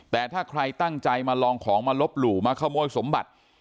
แต่ถ้าใครตั้งใจมาลองของมาลบหลู่มาขโมยสมบัติ